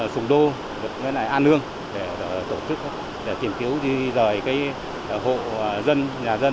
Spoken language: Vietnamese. sùng đô an hương để tổ chức để tìm kiếm đi rời hộ dân nhà dân